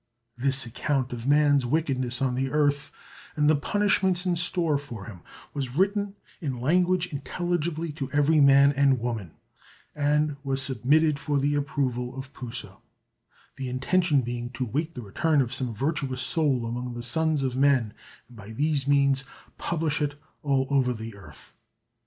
This account of man's wickedness on the earth and the punishments in store for him was written in language intelligible to every man and woman, and was submitted for the approval of P'u sa, the intention being to wait the return of some virtuous soul among the sons of men, and by these means publish it all over the earth.